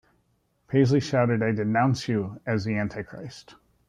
Paisley shouted I denounce you as the Antichrist!